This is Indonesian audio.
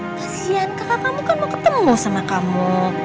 kasian kakak kamu kan mau ketemu sama kamu